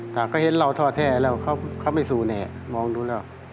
แต่ก็เห็นเราท่อแท้แล้วเขาไม่สู้แน่มองดูแล้ว